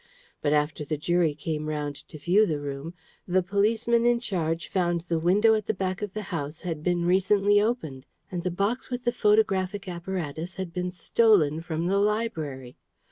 But after the jury came round to view the room, the policeman in charge found the window at the back of the house had been recently opened, and the box with the photographic apparatus had been stolen from the library.